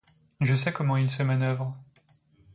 Je sais comment il se manœuvre.